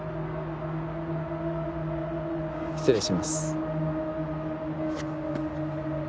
失礼します。